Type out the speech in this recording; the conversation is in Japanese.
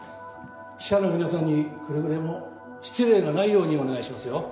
記者の皆さんにくれぐれも失礼がないようにお願いしますよ。